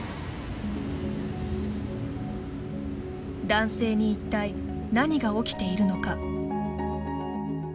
男性に一体何が起きているのか。